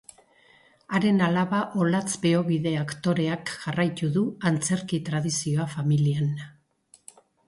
Haren alaba Olatz Beobide aktoreak jarraitu du antzerki tradizioa familian.